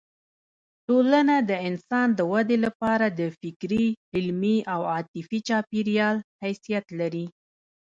ټولنه د انسان د ودې لپاره د فکري، علمي او عاطفي چاپېریال حیثیت لري.